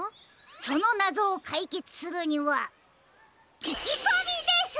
そのなぞをかいけつするにはききこみです！